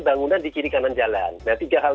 bangunan di kiri kanan jalan nah tiga hal